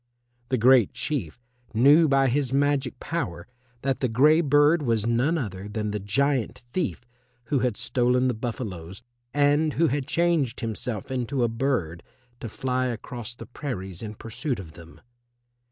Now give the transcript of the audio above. The Great Chief knew by his magic power that the grey bird was none other than the giant thief who had stolen the buffaloes, and who had changed himself into a bird to fly across the prairies in pursuit of them.